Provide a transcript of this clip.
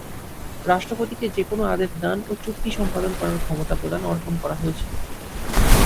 রাষ্ট্রপতিকে যে কোন আদেশ দান ও চুক্তি সম্পাদন করার ক্ষমতা প্রদান অর্পণ করা হয়েছিল।